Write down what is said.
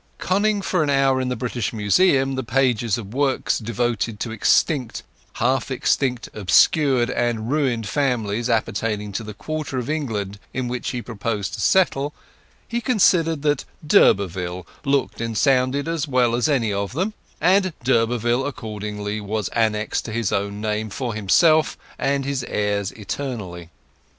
Conning for an hour in the British Museum the pages of works devoted to extinct, half extinct, obscured, and ruined families appertaining to the quarter of England in which he proposed to settle, he considered that d'Urberville looked and sounded as well as any of them: and d'Urberville accordingly was annexed to his own name for himself and his heirs eternally.